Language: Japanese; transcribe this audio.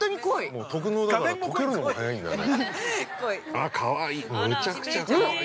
◆もう特濃だから溶けるのも早いんだね。